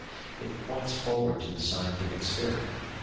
It points forward to the scientific spirit.